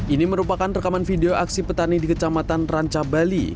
ini merupakan rekaman video aksi petani di kecamatan ranca bali